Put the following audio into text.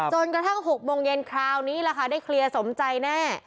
จนกระทั่ง๖โมงเย็นคราวนี้ล่ะค่ะได้เคลียร์สมใจแน่